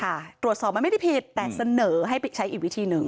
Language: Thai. ตรวจสอบมันไม่ได้ผิดแต่เสนอให้ไปใช้อีกวิธีหนึ่ง